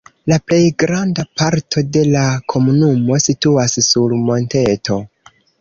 La plej granda parto de la komunumo situas sur monteto.